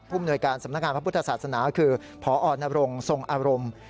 มนวยการสำนักงานพระพุทธศาสนาคือพอนรงทรงอารมณ์